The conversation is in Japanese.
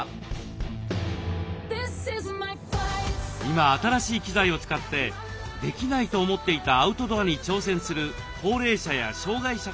今新しい機材を使ってできないと思っていたアウトドアに挑戦する高齢者や障害者が増えています。